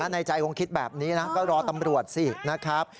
ในใจคงคิดแบบนี้นะก็รอตำรวจสินะครับ